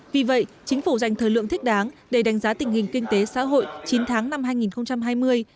vì vậy chính phủ dành thời lượng thích đáng để đánh giá tình hình kinh tế xã hội chín tháng năm hai nghìn hai mươi